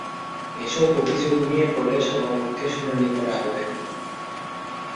এসব অভিযোগ নিয়ে পরে সভাকক্ষে শুনানি করা হবে।